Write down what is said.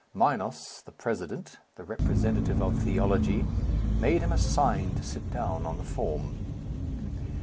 Minos, the president, the representative of theology, made him a sign to sit down on the form.